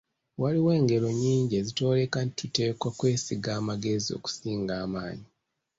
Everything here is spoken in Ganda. Waliwo engero nnyingi ezitwoleka nti tuteekwa kwesiga magezi okusinga amaanyi.